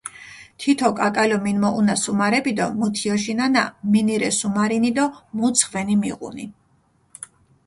თითო კაკალო მინმოჸუნა სუმარეფი დო მჷთიოშინანა, მინი რე სუმარინი დო მუ ძღვენი მიღუნი.